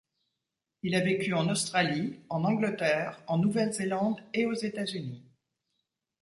Il a vécu en Australie, en Angleterre, en Nouvelle-Zélande et aux États-Unis.